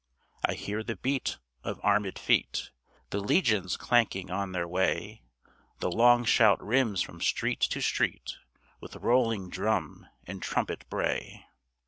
I hear the beat of armed feet, The legions clanking on their way, The long shout rims from street to street, With rolling drum and trumpet bray.